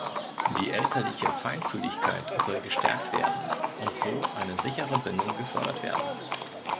Die elterliche Feinfühligkeit soll gestärkt werden und so eine sichere Bindung gefördert werden.